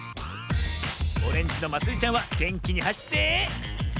オレンジのまつりちゃんはげんきにはしって。